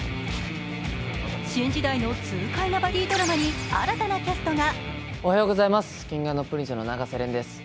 新時代の痛快なバディドラマに新たなキャストが。